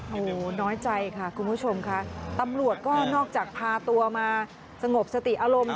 โอ้โหน้อยใจค่ะคุณผู้ชมค่ะตำรวจก็นอกจากพาตัวมาสงบสติอารมณ์